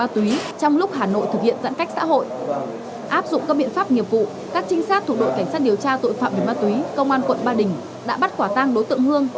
tội phạm về ma túy công an quận ba đình đã bắt quả tàng đối tượng hương